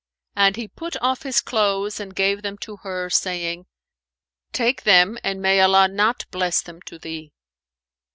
And he put off his clothes and gave them to her, saying, "Take them and may Allah not bless them to thee!"